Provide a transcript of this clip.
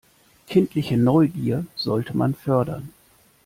Kindliche Neugier sollte man fördern.